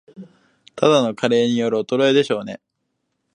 ただの加齢による衰えでしょうね